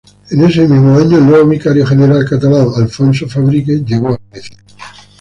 En ese mismo año, el nuevo vicario general catalán, Alfonso Fadrique, llegó a Grecia.